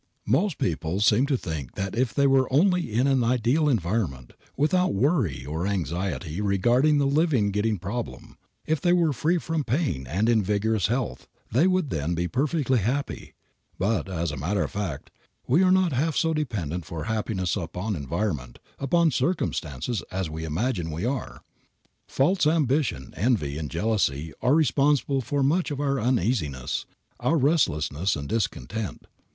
Most people seem to think that if they were only in an ideal environment, without worry or anxiety regarding the living getting problem, if they were free from pain and in vigorous health, they would then be perfectly happy. But, as a matter of fact, we are not half so dependent for happiness upon environment, upon circumstances, as we imagine we are. False ambition, envy and jealousy are responsible for much of our uneasiness, our restlessness and discontent.